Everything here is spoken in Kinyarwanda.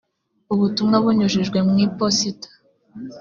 ubutumwa bunyujijwe mu iposita